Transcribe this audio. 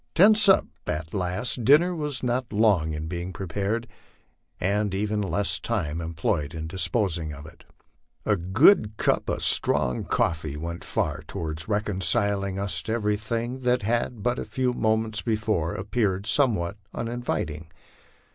Tents up at last, dinner was not long in being prepared, and even less time employed in disposing of it. A good cup of strong coffee went far toward reconciling us to everything that had but a few moments before appeared somewhat uninviting.